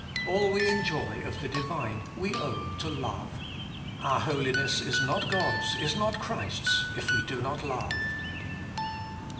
All we enjoy of the Divine we owe to love. Our holiness is not God's, is not Christ's, if we do not loue.